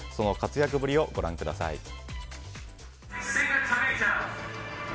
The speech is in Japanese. その活躍ぶり、ご覧ください。